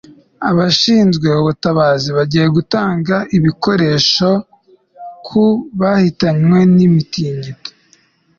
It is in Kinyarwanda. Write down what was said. Abashinzwe ubutabazi bagiye gutanga ibikoresho ku bahitanywe numutingito